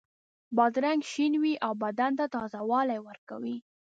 بادرنګ شین وي او بدن ته تازه والی ورکوي.